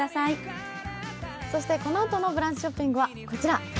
そしてこのあとのブランチショッピングはこちら。